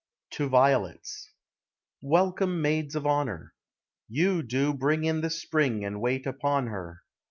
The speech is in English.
TO VIOLETS. Welcome, maids of honor! You doe bring In the Spring, And wait upon her.